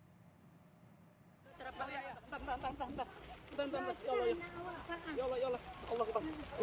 insya allah ya allah